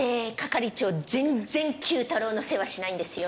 係長全然Ｑ太郎の世話しないんですよ。